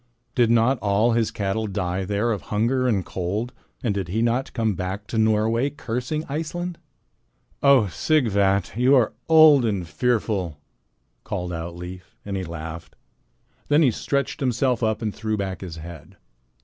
Did not all his cattle die there of hunger and cold, and did he not come back to Norway cursing Iceland?" "Oh, Sighvat, you are old and fearful," called out Leif, and he laughed. Then he stretched himself up and threw back his head.